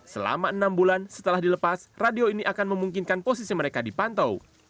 selama enam bulan setelah dilepas radio ini akan memungkinkan posisi mereka dipantau